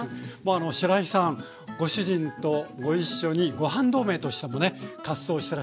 しらいさんご主人とご一緒に「ごはん同盟」としてもね活動してらっしゃって。